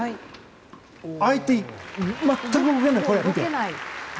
相手が全く動けない。